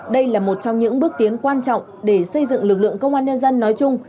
đây là một trong những bước tiến quan trọng để xây dựng lực lượng công an nhân dân nói chung